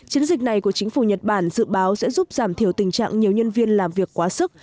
chiến dịch này của chính phủ nhật bản dự báo sẽ giúp giảm thiểu tình trạng nhiều nhân viên làm việc quá sức